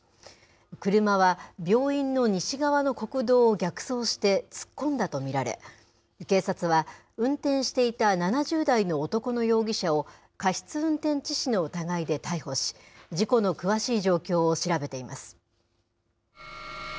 車は病院の西側の国道を逆走して突っ込んだと見られ、警察は運転していた７０代の男の容疑者を、過失運転致死の疑いで逮捕し、事故の詳しい状況を調べています。